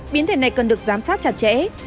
biến thể này cần được giám sát chặt chẽ